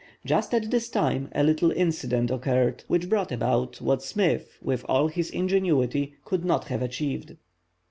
Just at this time a little incident occurred which brought about what Smith, with all his ingenuity, could not have achieved.